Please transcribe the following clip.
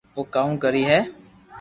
او ڪاو ڪري ھي